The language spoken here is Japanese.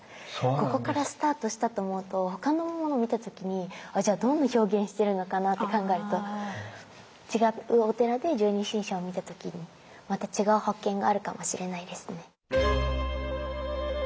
ここからスタートしたって思うと他のものを見た時にじゃあどんな表現してるのかなって考えると違うお寺で十二神将を見た時にまた違う発見があるかもしれないですね。